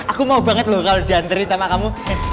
aku mau banget loh kalo di anterin sama kamu